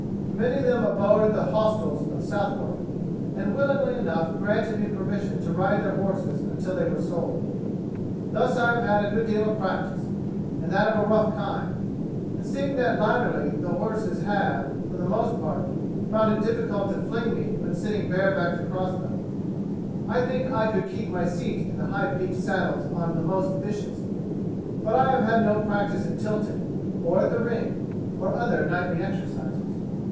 Many of them abode at the hostels at Southwark, and willingly enough granted me permission to ride their horses until they were sold. Thus I have had a good deal of practice, and that of a rough kind; and seeing that latterly the horses have, for the most part, found it difficult to fling me when sitting barebacked across them, I think I could keep my seat in the high peaked saddles on the most vicious, but I have had no practice at tilting, or at the ring, or other knightly exercises."